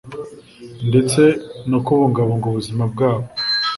ndetse no kubungabunga ubuzima bwabo